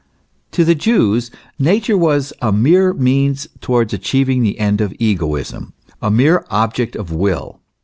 To the Jews Nature was a mere means towards achieving the end of egoism, a mere object of will.